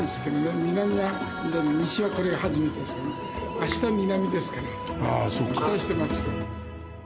明日南ですから期待してます。